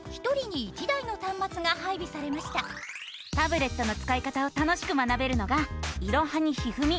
タブレットのつかい方を楽しく学べるのが「いろはにひふみ」。